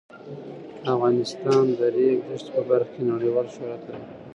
افغانستان د د ریګ دښتې په برخه کې نړیوال شهرت لري.